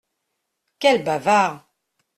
Quel bavard !